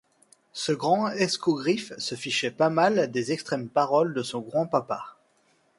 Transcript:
Ce grand escogriffe se fichait pas mal des extrêmes paroles de son grand papa.